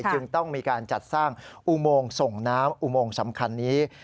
จึงต้องมีการจัดสร้างอุโมงส่งน้ำอุโมงสำคัญนี้